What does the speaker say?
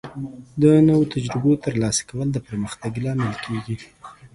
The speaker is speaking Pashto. د نوو تجربو ترلاسه کول د پرمختګ لامل کیږي.